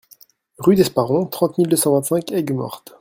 Rue d'Esparron, trente mille deux cent vingt Aigues-Mortes